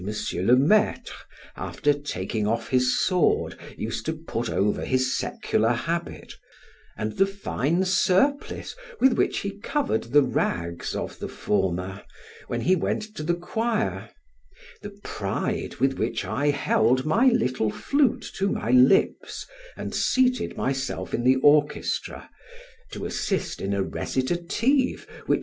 le Maitre, after taking off his sword, used to put over his secular habit, and the fine surplice with which he covered the rags of the former, when he went to the choir; the pride with which I held my little flute to my lips, and seated myself in the orchestra, to assist in a recitative which M.